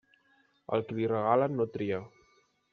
Al que li regalen, no tria.